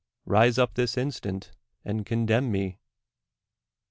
Rise up this instant and condemn me!